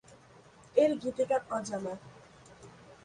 এর গীতিকার অজানা।